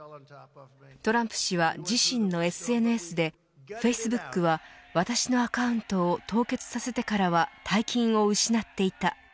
トランプ氏は自身のＳＮＳでフェイスブックは私のアカウントを凍結させてからは大金を失っていた。